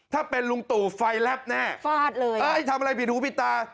ถ้าเป็นลุงตู่ไฟแลบแน่ฟาดเลยเอ้ยทำอะไรผิดหูผิดตา